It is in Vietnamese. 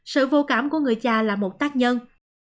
sự vô cảm của người cha là một tác nhân